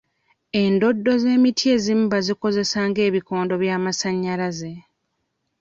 Endoddo z'emiti ezimu bazikozesa ng'ebikondo by'amasannyalaze.